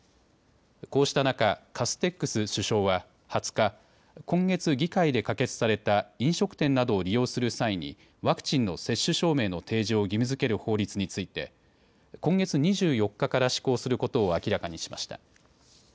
こうした中、カステックス首相は２０日、今月、議会で可決された飲食店などを利用する際にワクチンの接種証明の提示を義務づける法律について今月２４日から施行することを明らかにしました。